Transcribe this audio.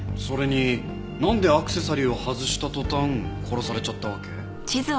それになんでアクセサリーを外した途端殺されちゃったわけ？